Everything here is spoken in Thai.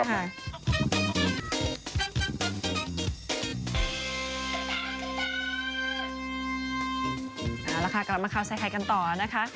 เอาละค่ะกลับมาข่าวใส่ไข่กันต่อนะคะ